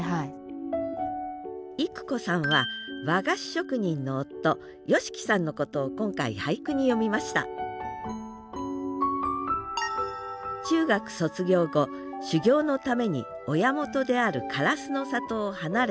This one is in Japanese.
郁子さんは和菓子職人の夫芳樹さんのことを今回俳句に詠みました中学卒業後修業のために親元である唐洲の里を離れた芳樹さん。